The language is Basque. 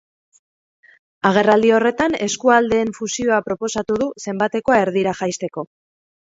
Agerraldi horretan, eskualdeen fusioa proposatu du, zenbatekoa erdira jaisteko.